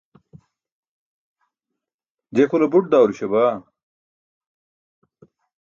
je kʰole buṭ dawruśa baa